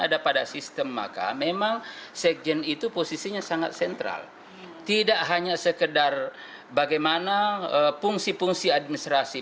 ada pada sistem maka memang sekjen itu posisinya sangat sentral tidak hanya sekedar bagaimana fungsi fungsi administrasi